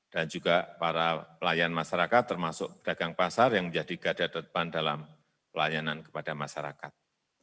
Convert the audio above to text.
dan juga para pelayan masyarakat termasuk pedagang pasar yang menjadi gada depan dalam pelayanan kepada masyarakat